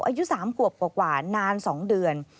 อายุ๓ขวบกว่านาน๒เดือน